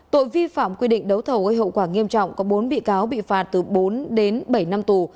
tội vi phạm quy định đấu thầu gây hậu quả nghiêm trọng có bốn bị cáo bị phạt từ bốn đến bảy năm tù